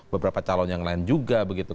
beberapa calon yang lain juga begitu